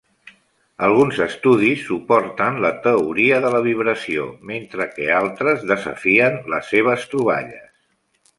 Alguns estudis suporten la teoria de la vibració mentre que altres desafien les seves troballes.